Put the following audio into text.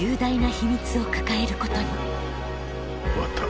終わった。